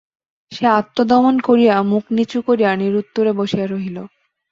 সে আত্মদমন করিয়া মুখ নিচু করিয়া নিরুত্তরে বসিয়া রহিল।